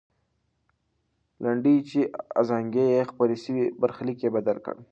لنډۍ چې ازانګې یې خپرې سوې، برخلیک یې بدل کړ.